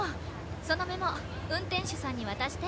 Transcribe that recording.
そのメモ運転手さんに渡して。